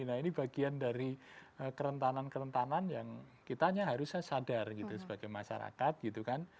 nah ini bagian dari kerentanan kerentanan yang kitanya harusnya sadar gitu sebagai masyarakat gitu kan